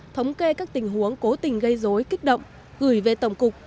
thống kê các tình huống cố tình gây dối kích động gửi về tổng cục